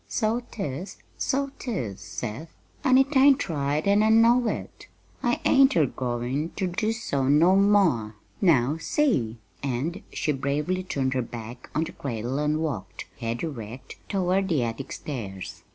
"So 'tis, so 'tis, Seth, an' it ain't right an' I know it. I ain't a goin' ter do so no more; now see!" And she bravely turned her back on the cradle and walked, head erect, toward the attic stairs.